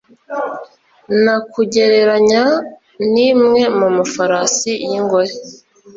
nakugereranya n’imwe mu mafarasi y’ingore,